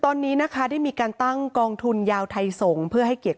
ตอนนี้นะคะได้มีการตั้งกองทุนยาวไทยส่งเพื่อให้เกียรติ